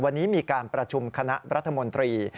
วันนี้มีการประชุมคณะรัฐมนตรี